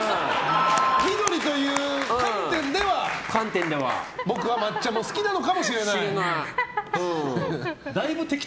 緑という観点では僕は抹茶も好きなのかもしれないと。